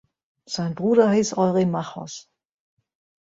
Sein Bruder hieß Eurymachos.